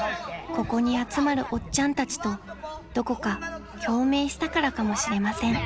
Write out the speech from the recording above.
［ここに集まるおっちゃんたちとどこか共鳴したからかもしれません］